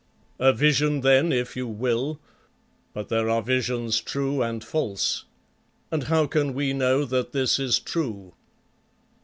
"A vision then if you will, but there are visions true and false, and how can we know that this is true?